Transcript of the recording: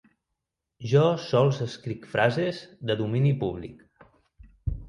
Jo sols escric frases de domini públic